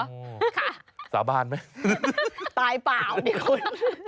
ค่ะสาบานไหมครับนะครับตายเปล่านี่คุณ